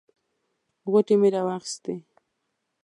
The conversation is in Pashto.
غوټې مې راواخیستې.